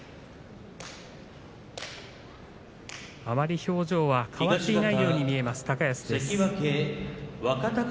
あまり表情は変わっていないように見えます、高安です。